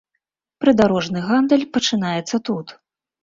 Прыдарожны гандаль пачынаецца тут.